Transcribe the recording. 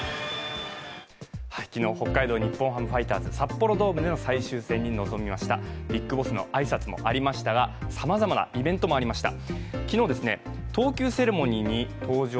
昨日、北海道日本ハムファイターズ、札幌ドームでの最終戦に臨みました、ＢＩＧＢＯＳＳの挨拶もありましたがさまざまなイベントもありました。